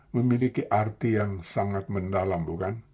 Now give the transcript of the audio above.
memiliki arti yang sangat mendalam bukan